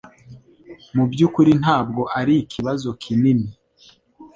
Mubyukuri ntabwo arikibazo kinini